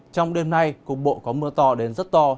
trong đêm nay cục bộ có mưa to đến rất to